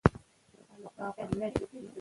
په خواله رسنیو کې مصنوعي ویډیوګانې ډېرې دي.